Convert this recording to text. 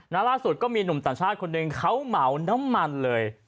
ล่าสุดก็มีหนุ่มต่างชาติคนหนึ่งเขาเหมาน้ำมันเลย